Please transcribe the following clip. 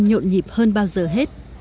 nhộn nhịp hơn bao giờ hết